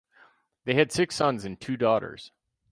They had six sons and two daughters.